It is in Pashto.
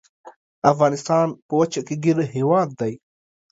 افغانستان په وچه کې ګیر هیواد دی.